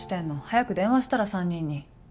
早く電話したら３人に。